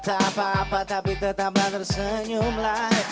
tak apa apa tetap tersenyumlah